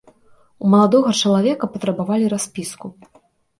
У маладога чалавека патрабавалі распіску.